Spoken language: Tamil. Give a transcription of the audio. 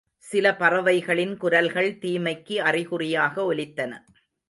சில பறவைகளின் குரல்கள் தீமைக்கு அறிகுறியாக ஒலித்தன.